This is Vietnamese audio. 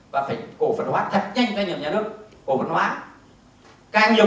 và phải cổ phân hóa thật nhanh cho những nhà nước